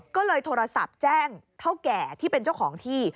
ก็เลยโทรศัพท์แจ้งเท่าแก่ที่เป็นเจ้าของที่